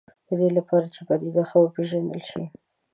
د دې لپاره چې پدیده ښه وپېژندل شي.